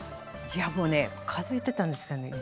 いやもうね数えてたんですけどね